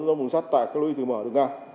giữa mùng sát tài lối đi tự mở đường ngang